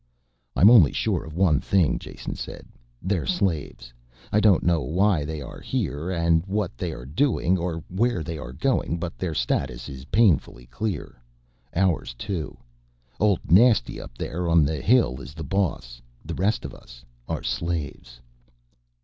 "I'm only sure of one thing," Jason said. "They're slaves. I don't know why they are here, what they are doing or where they are going, but their status is painfully clear ours, too. Old Nasty up there on the hill is the boss. The rest of us are slaves."